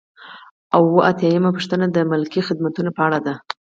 اووه اتیا یمه پوښتنه د ملکي خدمتونو په اړه ده.